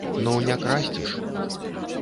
Ну, не красці ж?!